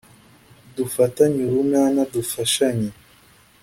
dufatane urunana dufashanye